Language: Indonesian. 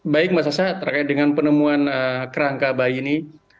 baik mas sasa terkait dengan penemuan kerangka bayi ini